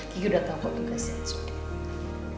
kiki udah tau kau tugasnya